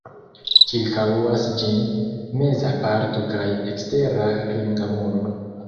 Ĉirkaŭas ĝin meza parto kaj ekstera ringa muro.